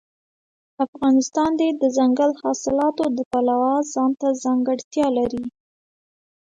افغانستان د دځنګل حاصلات د پلوه ځانته ځانګړتیا لري.